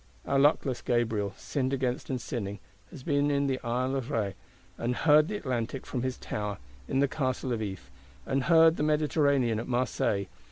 Our Luckless Gabriel, sinned against and sinning, has been in the Isle of Rhe, and heard the Atlantic from his tower; in the Castle of If, and heard the Mediterranean at Marseilles.